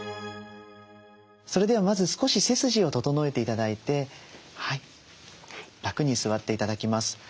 それではまず少し背筋を整えて頂いて楽に座って頂きます。